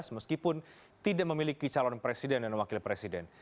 meskipun tidak memiliki calon presiden dan wakil presiden